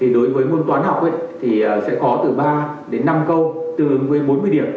đối với môn toán học thì sẽ có từ ba đến năm câu tương ứng với bốn mươi điểm